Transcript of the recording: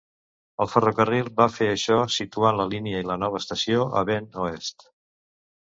El ferrocarril va fer això situant la línia i la nova estació a Bend Oest.